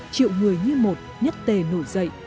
triệu người như một nhất tề nổi dậy